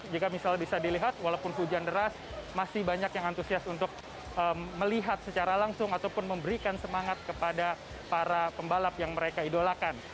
jika misalnya bisa dilihat walaupun hujan deras masih banyak yang antusias untuk melihat secara langsung ataupun memberikan semangat kepada para pembalap yang mereka idolakan